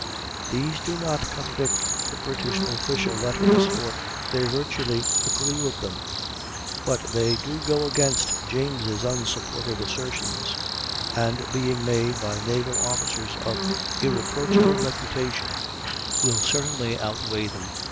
These do not contradict the British official letters, for they virtually agree with them; but they do go against James' unsupported assertions, and, being made by naval officers of irreproachable reputation, will certainly outweigh them.